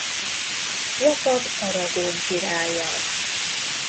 Jakab aragón királlyal.